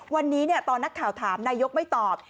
วันนี้ตอนนักข่าวถามนายกไม่ตอบ